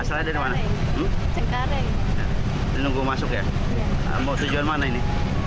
ini nunggu masuk ya mau tujuan mana ini